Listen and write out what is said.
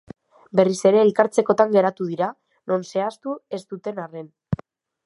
Berriz ere elkartzekotan geratu dira, non zehaztu ez duten arren.